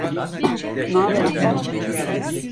N'aber ahbap?